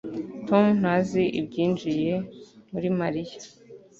tom ntazi ibyinjiye muri mariya